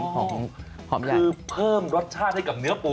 คือเพิ่มราชาที่เหลือกับเนื้อปู